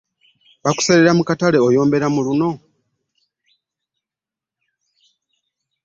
Bakuseerera mu katle oyombera mu lluno